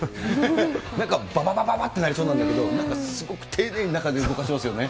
なんかばばばばばってなりそうなんだけど、なんかすごく丁寧な感じで動かしますよね。